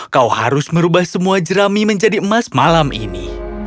kau harus merubah semua jerami menjadi emas malam ini